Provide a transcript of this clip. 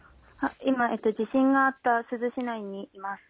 今、地震があった珠洲市内にいます。